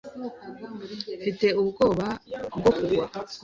mfite ubwoba bwo kugwa